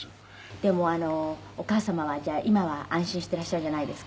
でもお母様はじゃあ今は安心していらっしゃるんじゃないですか？